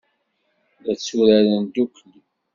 La tturaren ddukkli.